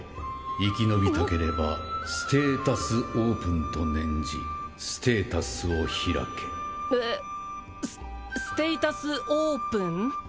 生き延びたければ「ステータスオープン」と念じステータスを開けえっスステイタスオープン？